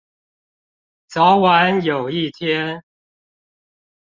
早晚有一天